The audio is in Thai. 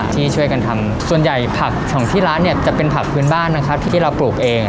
ที่ช่วยกันทำส่วนใหญ่ผักเนี่ยที่เป็นผักพื้นบ้านที่เราปลูกเอง